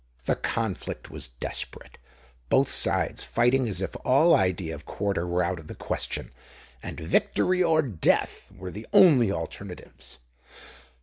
The conflict was desperate—both sides fighting as if all idea of quarter were out of the question, and victory or death were the only alternatives.